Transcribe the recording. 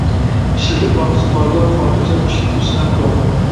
ئىشلىتىپ باققۇسى بارلار خاتىرجەم ئىشلىتىپ سىناپ كۆرۈڭلار!